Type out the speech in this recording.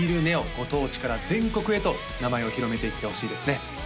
ご当地から全国へと名前を広めていってほしいですね